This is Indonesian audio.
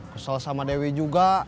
kesel sama dewi juga